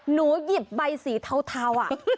หนูหยิบใบสีเทาอ่ะ